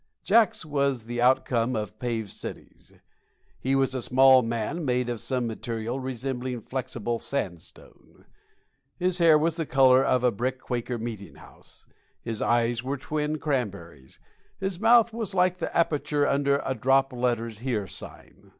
Jacks was the outcome of paved cities. He was a small man made of some material resembling flexible sandstone. His hair was the color of a brick Quaker meeting house; his eyes were twin cranberries; his mouth was like the aperture under a drop letters here sign.